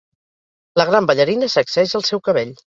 La gran ballarina sacseja el seu cabell